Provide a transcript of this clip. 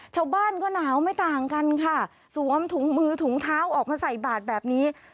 ชาวบ้านก็หนาวไม่ต่างกันค่ะสวมถุงมือถุงเท้าออกมาใส่บาทแบบนี้